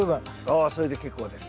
あそれで結構です。